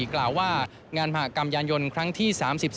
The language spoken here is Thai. กล่าวว่างานมหากรรมยานยนต์ครั้งที่๓๒